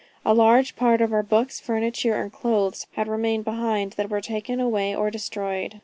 A large part of our books, furniture and clothes, which had remained behind were either taken away or destroyed.